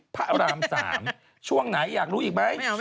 พระราม๓ช่วงไหนอยากรู้อีกไหม